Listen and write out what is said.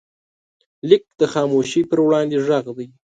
لیک د خاموشۍ پر وړاندې غږ دی.